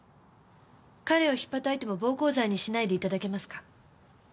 彼を引っぱたいても暴行罪にしないでいただけますか？